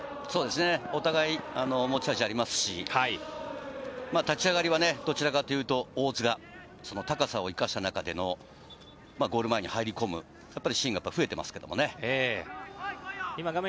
お互い持ち味がありますし、立ち上がりはどちらかというと、大津がその高さを生かした中でのゴール前に入り込むシーンが増えていますけどね。